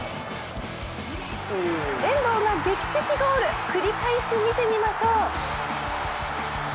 遠藤が劇的ゴール、繰り返し見てみましょう。